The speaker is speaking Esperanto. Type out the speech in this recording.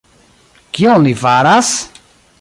Kion li faras...?